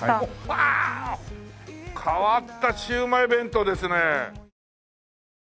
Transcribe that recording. わあ変わったシウマイ弁当ですね。